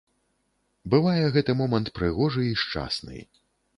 Бывае гэты момант прыгожы і шчасны.